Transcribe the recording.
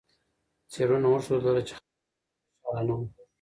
څېړنو وښودله چې خلک هلته خوشحاله نه وو.